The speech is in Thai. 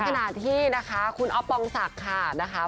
ในขณะที่นะคะคุณอ๊อปปองศักดิ์ค่ะ